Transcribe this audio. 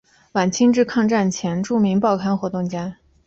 晚清至抗战前著名报刊活动家。